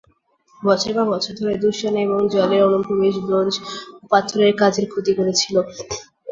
বছরের পর বছর ধরে, দূষণ এবং জলের অনুপ্রবেশ ব্রোঞ্জ ও পাথরের কাজের ক্ষতি করেছিল।